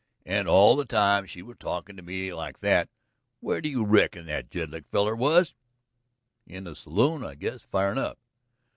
And all the time she was talkin' to me like that, where do you reckon that Jedlick feller was at?" "In the saloon, I guess, firin' up."